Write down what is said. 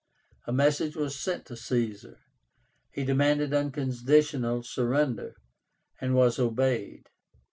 A message was sent to Caesar. He demanded unconditional surrender, and was obeyed.